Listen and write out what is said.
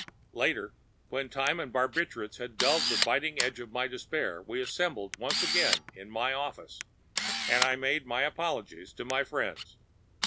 Later, when time and barbiturates had dulled the biting edge of my despair, we assembled once again in my office and I made my apologies to my friends.